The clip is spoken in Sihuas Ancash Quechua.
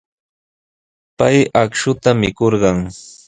Pay akshuta mikurqan.